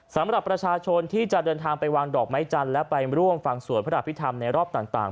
สำหรับประชาชนที่จะเดินทางไปวางดอกไม้จันทร์และไปร่วมฟังสวดพระอภิษฐรรมในรอบต่าง